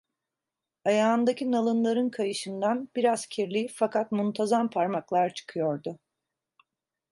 Ayağındaki nalınların kayışından, biraz kirli, fakat muntazam parmaklar çıkıyordu.